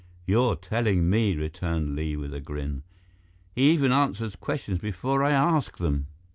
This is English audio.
"You're telling me?" returned Li, with a grin. "He even answers questions before I ask them."